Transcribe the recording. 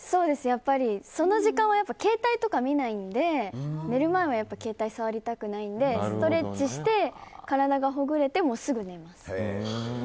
やっぱり、その時間は携帯とか見ないので寝る前は携帯を触りたくないのでストレッチして体がほぐれてすぐ寝ます。